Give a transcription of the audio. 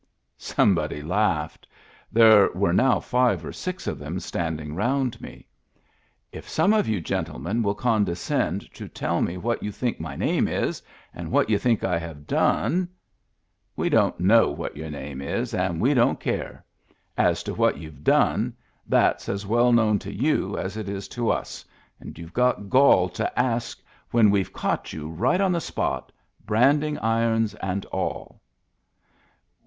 Somebody laughed. There were now five or six of them standing round me. " If some of you gentlemen will condescend to tell me what you think my name is, and what you think I have done —" "We don't know what your name is, and we don't care. As to what you've done, that's as well known to you as it is to us, and you've got gall to ask, when we've caught you right on the spot, branding irons and all."